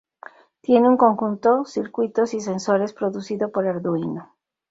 Tiene un conjunto circuitos y sensores producido por Arduino.